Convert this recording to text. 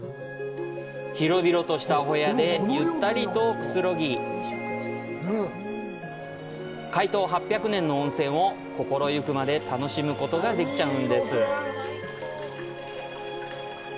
広々としたお部屋でゆったりとくつろぎ、開湯８００年の温泉を心行くまで楽しむことができちゃうんです。